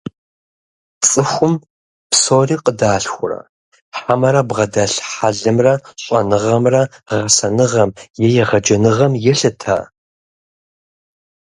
ЦӀыхум псори къыдалъхурэ, хьэмэрэ бгъэдэлъ хьэлымрэ щӀэныгъэмрэ гъэсэныгъэм е егъэджэныгъэм елъыта?